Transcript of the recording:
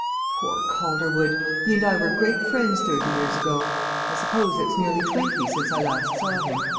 "Poor Calderwood! He and I were great friends thirty years ago. I suppose it's nearly twenty since I last saw him.